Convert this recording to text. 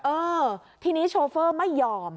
เออทีนี้โชเฟอร์ไม่ยอม